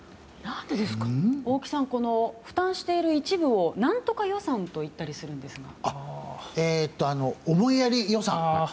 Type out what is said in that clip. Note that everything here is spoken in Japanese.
大木さん負担している一部を何とか予算と言ったりするんですが。